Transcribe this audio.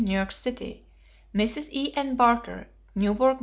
New York City; Mrs. E.N. Barker, Newburgh, N.